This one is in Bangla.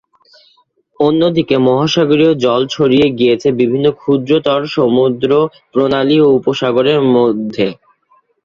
অন্যদিকে মহাসাগরীয় জল ছড়িয়ে গিয়েছে বিভিন্ন ক্ষুদ্রতর সমুদ্র, প্রণালী ও উপসাগরের মধ্যে।